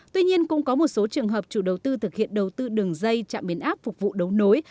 tuy nhiên cũng có một số trường hợp chủ đầu tư thực hiện đầu tư đường dây trạm biến áp phục vụ đấu nối